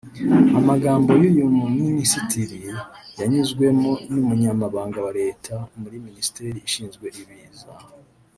Amagambo y’uyu muminisitiri yunzwemo n’ Umunyamabanga wa Leta muri Minisiteri Ishinzwe Ibiza